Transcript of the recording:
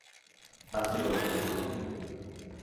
Arte colectivo.